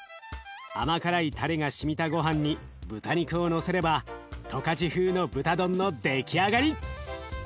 甘辛いたれがしみたごはんに豚肉をのせれば十勝風の豚丼の出来上がり！